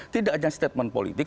tidak hanya statement politik